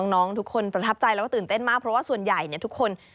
น้องทุกคนประทับใจแล้วก็ตื่นเต้นมากเพราะว่าส่วนใหญ่ทุกคน